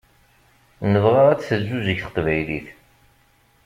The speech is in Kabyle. Nebɣa ad teǧǧuǧeg teqbaylit.